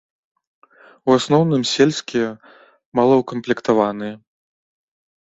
У асноўным сельскія, малаўкамплектаваныя.